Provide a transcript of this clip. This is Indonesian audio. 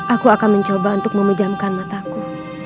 aku akan mencoba untuk memejamkan mataku